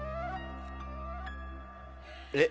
えっ？